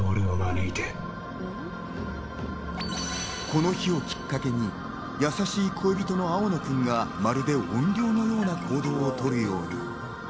この日をきっかけに優しい恋人の青野くんがまるで怨霊のような行動をとるように。